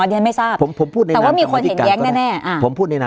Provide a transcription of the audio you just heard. การแสดงความคิดเห็น